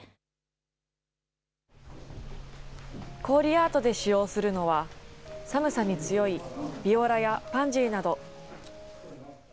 氷アートで使用するのは、寒さに強いビオラやパンジーなど。